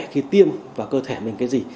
khi tiêm vào cơ thể mình cái gì